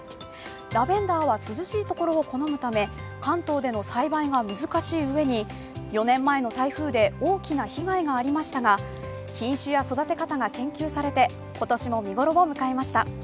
ラベンダーは涼しいところを好むため関東での栽培が難しいうえに４年前の台風で大きな被害がありましたが、品種や育て方が研究されて、今年も見頃を迎えました。